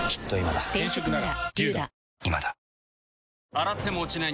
洗っても落ちない